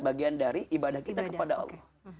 bagian dari ibadah kita kepada allah